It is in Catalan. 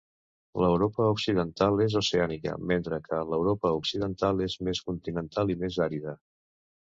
L'Europa occidental és oceànica, mentre que l'Europa occidental és més continental i més àrida.